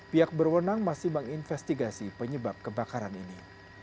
pihak berwenang masih menginvestigasi penyebab kebakaran ini